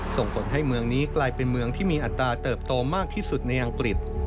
ส่งผลให้เมืองนี้กลายเป็นเมืองที่มีอัตราเติบโตมากที่สุดในอังกฤษ